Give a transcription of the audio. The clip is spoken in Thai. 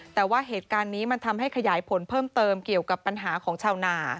แต่ว่าเหตุการณ์นี้มันทำให้ขยายผลเพิ่มเติมเกี่ยวกับปัญหาของชาวนา